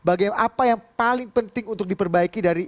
bagaimana apa yang paling penting untuk diperbaiki dari